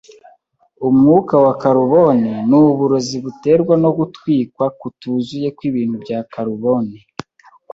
Umwuka wa karubone ni uburozi buterwa no gutwikwa kutuzuye kw’ibintu bya karubone.